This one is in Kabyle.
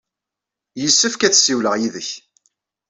Yessefk ad ssiwleɣ yid-k.